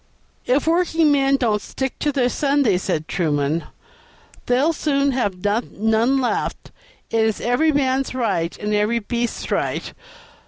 "If workingmen don't stick to their Sunday," said Truman, "they'll soon have none left; it is every man's right and every beast's right.